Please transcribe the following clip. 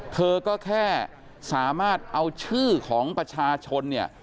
เธอก็แค่สามารถเอาชื่อของประชาชนเนี่ย